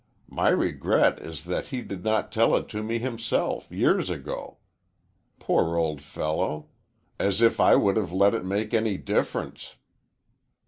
My regret is that he did not tell it to me himself, years ago. Poor old fellow! As if I would have let it make any difference!"